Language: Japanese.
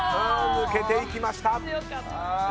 抜けていきました。